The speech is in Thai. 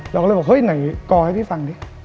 เราก็เลยบอกเฮ้ยไหนกอให้พี่ฟังดิ